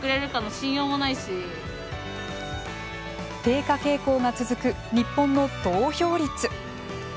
低下傾向が続く日本の投票率。